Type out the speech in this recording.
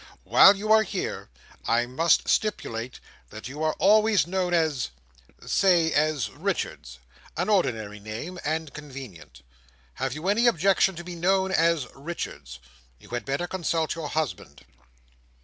While you are here, I must stipulate that you are always known as—say as Richards—an ordinary name, and convenient. Have you any objection to be known as Richards? You had better consult your husband."